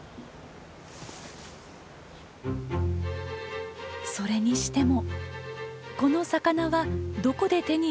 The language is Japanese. それにしてもこの魚はどこで手に入れているのでしょうか？